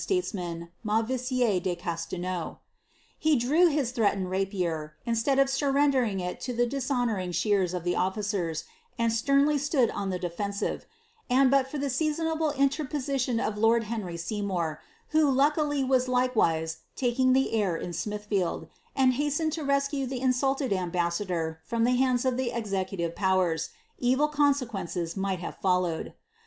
•(» man, itlauvJMiere de CaHlflnau. He drew bis ihri^atenecl rapier, inttai of surrendering it lo the dishonouring ahears of the otficera, ajul sleralr aloud on ihe defensive, and bul for the seasonable inlerpoaiiitm of Ion Henry Seymour, who luckily was likewise uking the air in Smiih&U and hastened to rescue the iusulleil Bmbassadoc from the hamla of lb executive powers, evil consequenrea might have followed.